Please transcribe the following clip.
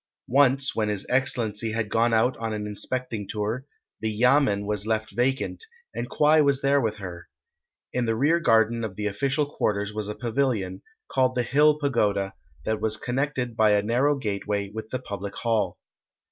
Once when His Excellency had gone out on an inspecting tour, the yamen was left vacant, and Kwai was there with her. In the rear garden of the official quarters was a pavilion, called the Hill Pagoda, that was connected by a narrow gateway with the public hall.